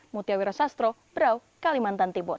mutiawira sastro braw kalimantan tibur